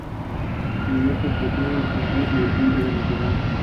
Masvidal no ha competido en el boxeo profesional desde entonces.